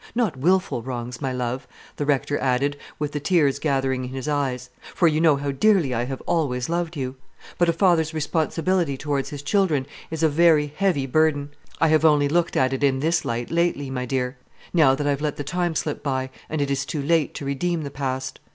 Not wilful wrongs, my love," the Rector added, with the tears gathering in his eyes; "for you know how dearly I have always loved you. But a father's responsibility towards his children is a very heavy burden. I have only looked at it in this light lately, my dear, now that I've let the time slip by, and it is too late to redeem the past.